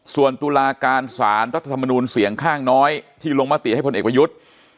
ส่วนตุลาการสารรัฐธรรมนูลเสียงข้างน้อยที่ลงมติให้พลเอกประยุทธ์